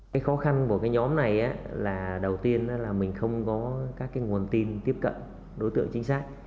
cái khó khăn của cái nhóm này là đầu tiên là mình không có các cái nguồn tin tiếp cận đối tượng chính xác